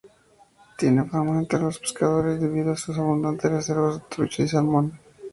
Tiene fama entre los pescadores debido a sus abundantes reservas de trucha y salmón.